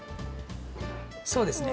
そうですね。